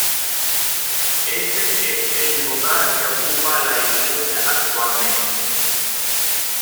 Ese es el lugar que ocupa la iglesia actualmente.